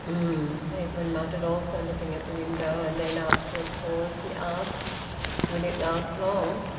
"Um!" Edwin muttered, also looking at the window. And then, after a pause, he asked: "Will it last long?"